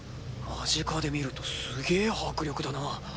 間近で見るとすげぇ迫力だな。